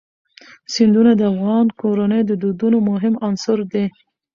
سیندونه د افغان کورنیو د دودونو مهم عنصر دی.